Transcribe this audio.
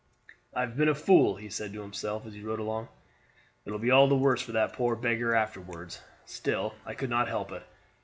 "I have been a fool," he said to himself as he rode along. "It will be all the worse for that poor beggar afterward; still I could not help it.